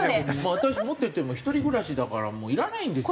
私持ってても一人暮らしだからいらないんですよ。